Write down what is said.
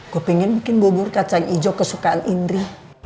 gue pengen bikin gue beli kacang ijo kesukaan indri